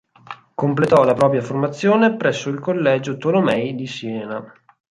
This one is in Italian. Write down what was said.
Completò la propria formazione presso il Collegio Tolomei di Siena.